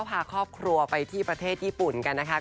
พาครอบครัวไปที่ประเทศญี่ปุ่น